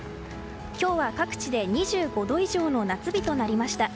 今日は各地で２５度以上の夏日となりました。